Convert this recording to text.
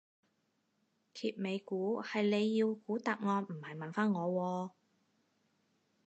揭尾故係你要估答案唔係問返我喎